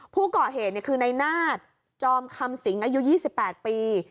ผู้ก่อเหตุคือนายนาฏจอมคำสิงอายุ๒๘ปี